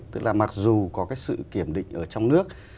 tức là mặc dù có cái sự kiểm định ở trong nước